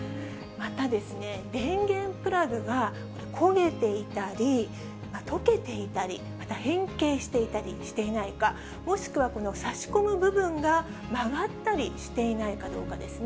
またですね、電源プラグが焦げていたり、溶けていたり、また変形したりしていないか、もしくはこの差し込む部分が曲がったりしていないかどうかですね。